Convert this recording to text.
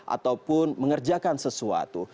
ataupun mengerjakan sesuatu